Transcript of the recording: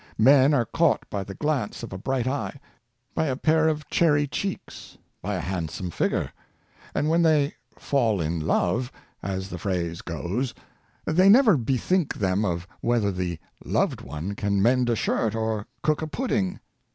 Men are caught by the glance of a bright eye, by a pair of cherry cheeks, by a handsome figure; and when they ^'fall in love," as the phrase goes, they never bethink them of whether the "loved one " can mend a shirt or cook a pudding.